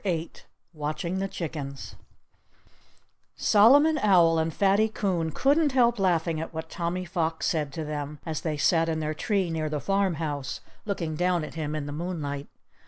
VIII Watching The Chickens Solomon Owl and Fatty Coon couldn't help laughing at what Tommy Fox said to them, as they sat in their tree near the farmhouse, looking down at him in the moonlight.